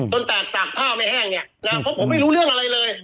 ตากตากผ้าไม่แห้งเนี่ยนะเพราะผมไม่รู้เรื่องอะไรเลย